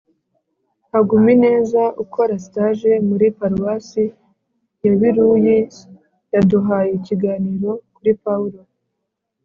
hagumineza, ukora stage muri paruwasi ya biruyi, yaduhaye ikiganiro kuri pawulo